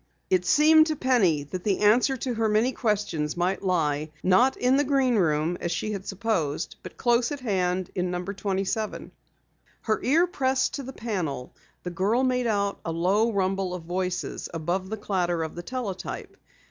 It seemed to Penny that the answer to her many questions might lie, not in the Green Room as she had supposed, but close at hand in Number 27. Her ear pressed to the panel, the girl made out a low rumble of voices above the clatter of the teletype.